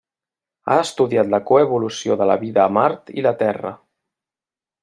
Ha estudiat la coevolució de la vida a Mart i la Terra.